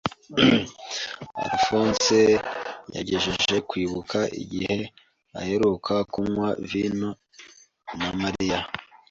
Alphonse yagerageje kwibuka igihe aheruka kunywa vino na Mariya.